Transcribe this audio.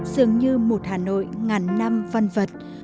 dường như một hà nội ngàn năm văn vật